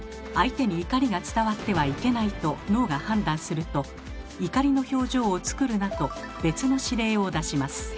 「相手に怒りが伝わってはいけない」と脳が判断すると「怒りの表情を作るな」と別の指令を出します。